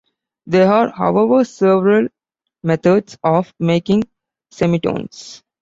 There are however several methods of making semitones.